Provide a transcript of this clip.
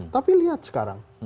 tapi lihat sekarang